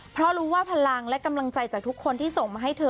เพราะรู้ว่าพลังและกำลังใจจากทุกคนที่ส่งมาให้เธอ